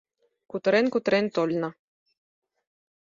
Кутырен-кутырен тольна